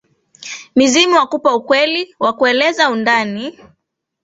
Mizimu wakupa kweli, wakueleze undani,